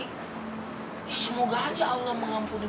ya semoga aja allah berkati dia ya